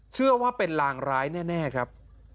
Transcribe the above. เชื่อว่าเป็นลางร้ายแน่ครับ